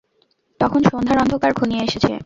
তখন সন্ধ্যার অন্ধকার ঘনিয়ে এসেছে।